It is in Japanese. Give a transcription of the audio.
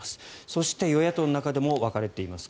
そして、与野党の中でも分かれています。